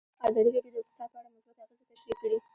ازادي راډیو د اقتصاد په اړه مثبت اغېزې تشریح کړي.